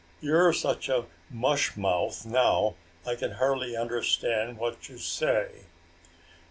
"You're such a mushmouth now I can hardly understand what you say."